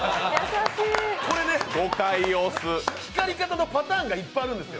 これね、光り方のパターンがいっぱいあるんですよ。